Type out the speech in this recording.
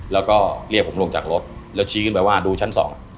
เรียกผมลงจากรถแล้วชี้ขึ้นไปว่าดูชั้น๒